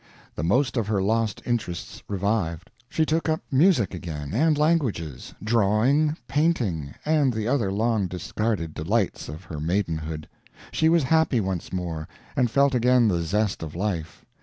The most of her lost interests revived. She took up music again, and languages, drawing, painting, and the other long discarded delights of her maidenhood. She was happy once more, and felt again the zest of life.